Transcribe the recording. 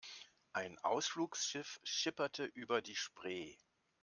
Ein Ausflugsschiff schipperte über die Spree.